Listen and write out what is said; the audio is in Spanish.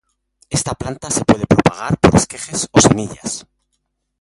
Esta planta se puede propagar por esquejes o semillas.